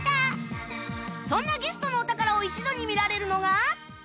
そんなゲストのお宝を一度に見られるのが